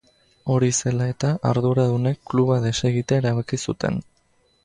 Hori zela eta arduradunek kluba desegitea erabaki zuten.